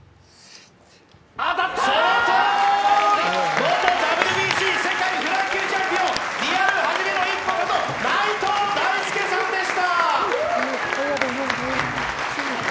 元ＷＢＣ世界フライ級チャンピオンリアル「はじめの一歩」こと内藤大助さんでした。